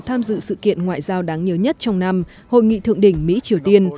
tham dự sự kiện ngoại giao đáng nhớ nhất trong năm hội nghị thượng đỉnh mỹ triều tiên